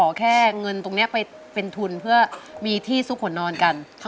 แค่เงินตรงนี้ไปเป็นทุนเพื่อมีที่ซุกขนนอนกัน